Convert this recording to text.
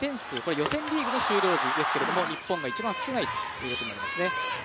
予選リーグの終了時ですが日本が一番少ないということになります。